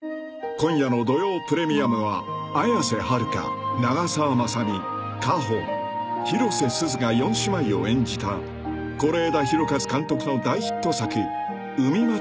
［今夜の『土曜プレミアム』は綾瀬はるか長澤まさみ夏帆広瀬すずが４姉妹を演じた是枝裕和監督の大ヒット作『海街ｄｉａｒｙ』をお送りします］